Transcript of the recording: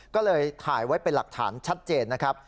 ก็เลยถ่ายไว้เป็นหลักฐานชัดเจนนะครับ